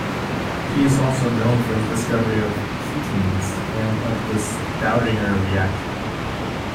He is also known for his discovery of ketenes and of the Staudinger reaction.